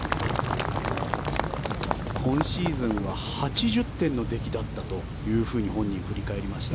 今シーズンは８０点の出来だったというふうに本人、振り返りました。